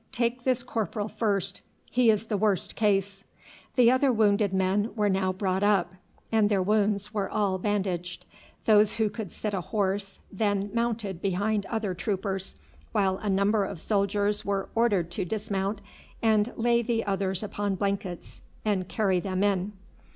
"Take this corporal first; he is the worst case." The other wounded men were now brought up, and their wounds were all bandaged. Those who could sit a horse then mounted behind other troopers, while a number of soldiers were ordered to dismount and to lay the others upon blankets and carry them in.